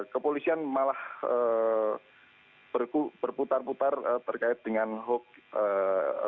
kepolisian malah berputar putar terkait dengan hoax